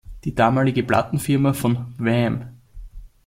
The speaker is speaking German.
Die damalige Plattenfirma von "Wham!